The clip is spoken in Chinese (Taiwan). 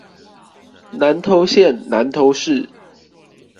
南投縣南投市